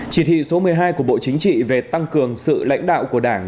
chỉ thị số một mươi hai của bộ chính trị về tăng cường sự lãnh đạo của đảng